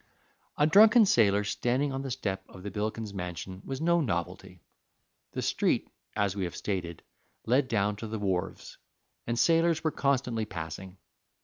A drunken sailor standing on the step of the Bilkins mansion was no novelty. The street, as we have stated, led down to the wharves, and sailors were constantly passing.